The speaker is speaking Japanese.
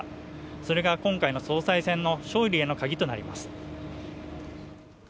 それが今回の総裁選の勝利への鍵となります